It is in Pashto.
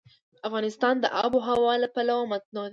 افغانستان د آب وهوا له پلوه متنوع دی.